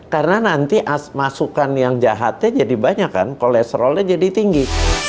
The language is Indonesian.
karena nanti masukan yang jahatnya jadi banyak kan kolesterolnya jadi tinggi